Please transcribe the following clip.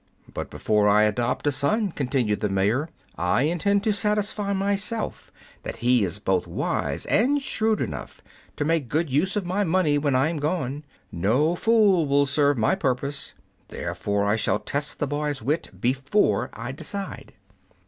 "But before I adopt a son," continued the mayor, "I intend to satisfy myself that he is both wise and shrewd enough to make good use of my money when I am gone. No fool will serve my purpose; therefore I shall test the boy's wit before I decide."